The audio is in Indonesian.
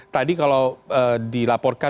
tadi kalau dilaporkan